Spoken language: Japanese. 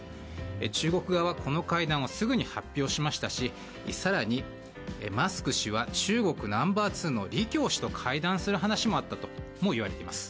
中国側はこの会談をすぐに発表しましたし更にマスク氏は中国ナンバー２の李強氏と会談する話もあったといわれています。